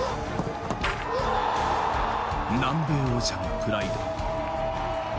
南米王者のプライド。